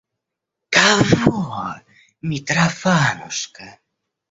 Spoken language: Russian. Кого, Митрофанушка?